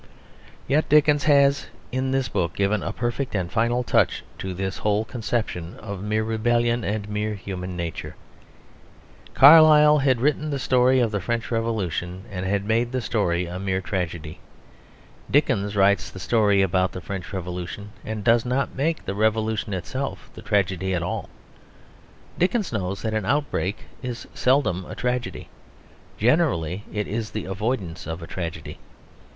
Yet Dickens has in this book given a perfect and final touch to this whole conception of mere rebellion and mere human nature. Carlyle had written the story of the French Revolution and had made the story a mere tragedy. Dickens writes the story about the French Revolution, and does not make the Revolution itself the tragedy at all. Dickens knows that an outbreak is seldom a tragedy; generally it is the avoidance of a tragedy.